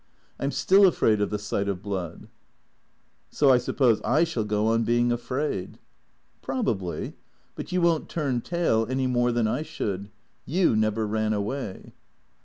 I 'm still afraid of the sight of blood." " So I suppose I shall go on being afraid." " Probably. But you won't turn tail any more than I should. You never ran away."